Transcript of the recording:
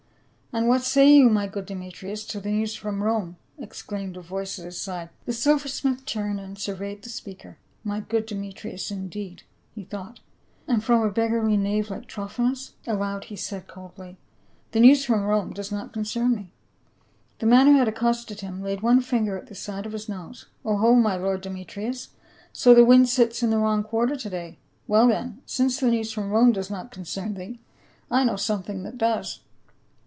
" And what say you, my good Demetrius, to the news from Rome?" exclaimed a voice at his side. The silver smith turned and surveyed the speaker, " My good Demetrius indeed !" he thought, " and from a beggarly knave like Trophimus." Aloud he said coldly, " The news from Rome docs not concern me." The man who had accosted him laid one finger at the side of his nose, " O ho, my lord Demetrius, so the wind sits in the wrong quarter to day. Well then, since the news from Rome does not concern thee, I know something that does.